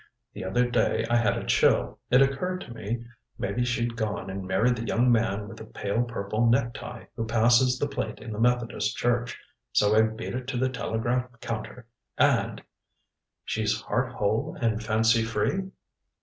The other day I had a chill. It occurred to me maybe she'd gone and married the young man with the pale purple necktie who passes the plate in the Methodist Church. So I beat it to the telegraph counter. And " "She's heart whole and fancy free?"